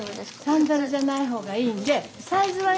サンダルじゃないほうがいいんでサイズは？